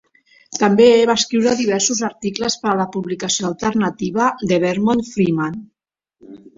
També va escriure diversos articles per a la publicació alternativa "The Vermont Freeman".